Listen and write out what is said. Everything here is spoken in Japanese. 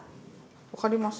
分かります？